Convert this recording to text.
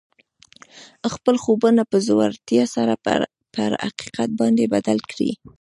خپل خوبونه په زړورتیا سره پر حقیقت باندې بدل کړئ